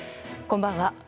こんばんは。